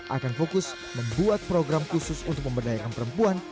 akan fokus membuat program khusus untuk pemberdayakan perempuan